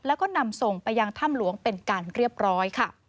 แล้วก็นำส่งไปยังถ้ำหลวงเป็นการเรียบร้อยค่ะ